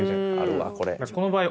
この場合。